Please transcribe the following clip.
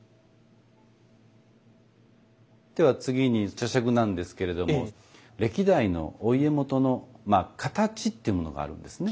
では次に茶杓なんですけれども歴代のお家元の形っていうものがあるんですね。